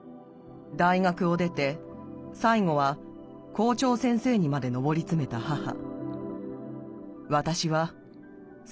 大学を出て最後は校長先生にまで昇りつめた母。